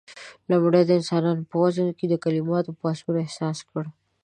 لومړيو انسانانو په وزن کې د کليماتو پاڅون احساس کړ.